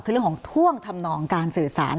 คือเรื่องของท่วงทำนองการสื่อสาร